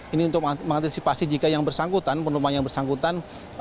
ini untuk mengantisipasi jika yang bersangkutan penumpang yang bersangkutan